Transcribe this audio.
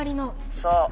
そう。